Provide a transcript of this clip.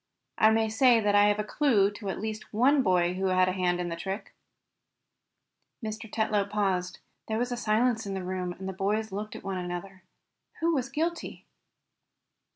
I may say that I have a clue to at least one boy who had a hand in the trick." Mr. Tetlow paused. There was silence in the room, and the boys looked one at the other. Who was guilty?